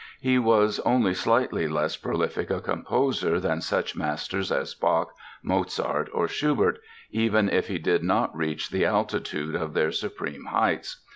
He was only slightly less prolific a composer than such masters as Bach, Mozart or Schubert, even if he did not reach the altitude of their supreme heights.